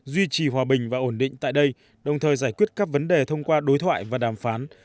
duy trì hòa bình và ổn định tại đây đồng thời giải quyết các vấn đề thông qua đối thoại và đàm phán